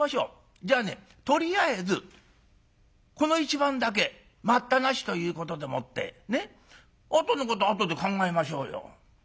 じゃあねとりあえずこの１番だけ『待ったなし』ということでもってあとのことはあとで考えましょうよ」。